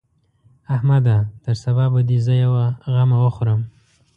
احمده! تر سبا به دې زه يوه غمه وخورم.